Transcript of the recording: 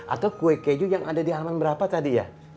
atau kue keju yang ada di halaman berapa tadi ya